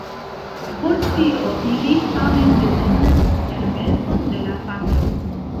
Por tio ili tamen bezonas permeson de la patro.